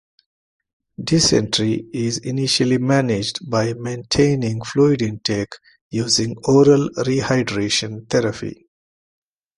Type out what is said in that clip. Dysentery is initially managed by maintaining fluid intake using oral rehydration therapy.